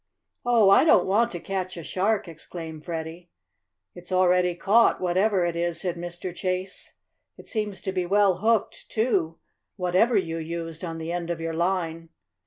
"Oh, I don't want to catch a shark!" exclaimed Freddie. "It's already caught, whatever it is," said Mr. Chase, "It seems to be well hooked, too, whatever you used on the end of your line."